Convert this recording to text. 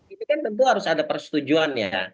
ini kan tentu harus ada persetujuan ya